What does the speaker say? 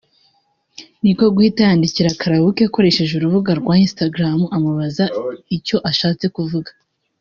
niko guhita yandikira Karrueche akoresheje urubuga rwa Instagram amubaza icyo ashatse kuvuga